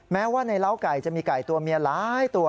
แม้ว่าในร้าวไก่จะมีไก่ตัวเมียหลายตัว